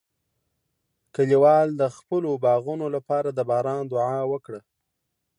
کلیوال د خپلو باغونو لپاره د باران دعا وکړه.